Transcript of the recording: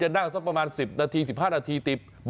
อารมณ์ของแม่ค้าอารมณ์การเสิรฟนั่งอยู่ตรงกลาง